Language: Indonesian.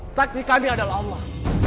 saksi kami adalah allah